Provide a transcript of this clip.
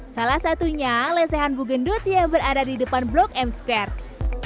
salah satunya lesehan bugendut yang berada di depan blok m square